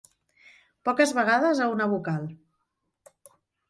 Poques vegades a una vocal.